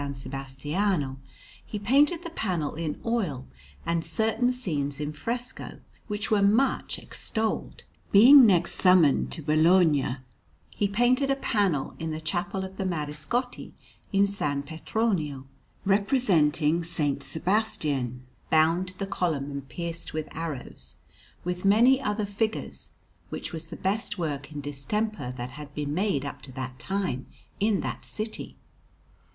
Sebastiano, he painted the panel in oil and certain scenes in fresco, which were much extolled. Being next summoned to Bologna, he painted a panel in the Chapel of the Mariscotti in S. Petronio, representing S. Sebastian bound to the column and pierced with arrows, with many other figures, which was the best work in distemper that had been made up to that time in that city.